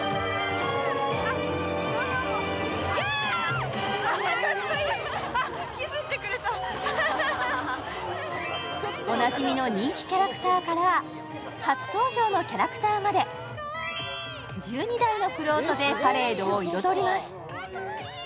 ・あっママも・キャー・かっこいいおなじみの人気キャラクターから初登場のキャラクターまで１２台のフロートでパレードを彩ります